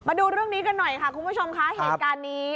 มาดูเรื่องนี้กันหน่อยค่ะคุณผู้ชมค่ะเหตุการณ์นี้